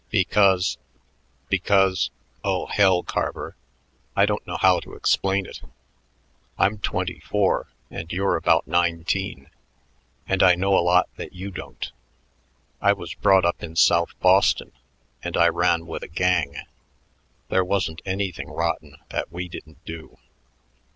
"Because because.... Oh, hell, Carver, I don't know how to explain it. I'm twenty four and you're about nineteen and I know a lot that you don't. I was brought up in South Boston and I ran with a gang. There wasn't anything rotten that we didn't do....